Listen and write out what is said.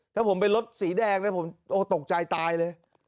ถ้าผมเป็นรถสีแดงนะผมตกใจตายเลย